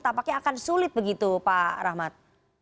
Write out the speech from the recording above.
tampaknya akan sulit begitu pak rahmat